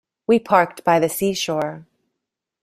We parked by the seashore.